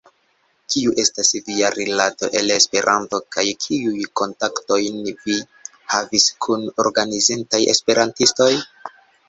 Kiu estas via rilato al Esperanto kaj kiujn kontaktojn vi havis kun organizitaj esperantistoj?